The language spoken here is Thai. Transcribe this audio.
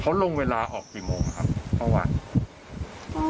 อ๋อเขาลงเวลาออกกี่โมงครับ